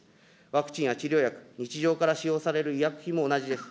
ワクチンや治療薬、日常から使用される医薬品も同じです。